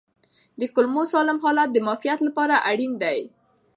د کولمو سالم حالت د معافیت لپاره اړین دی.